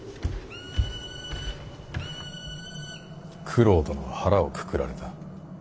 九郎殿は腹をくくられた。